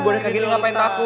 eh boneka gini ngapain takut